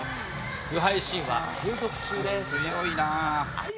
不敗神話継続中です。